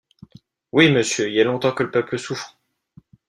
Oui, monsieur, il y a longtemps que le peuple souffre.